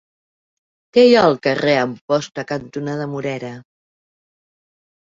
Què hi ha al carrer Amposta cantonada Morera?